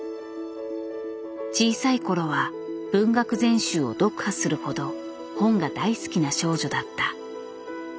小さい頃は文学全集を読破するほど本が大好きな少女だった。